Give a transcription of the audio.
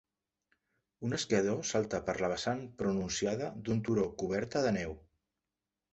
Un esquiador salta per la vessant pronunciada d'un turó coberta de neu.